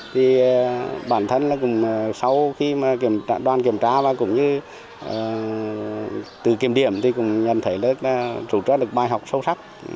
thì bản thân là cũng sau khi mà đoàn kiểm tra là cũng như từ kiểm điểm thì cũng nhận thấy là rút ra được bài học sâu sắc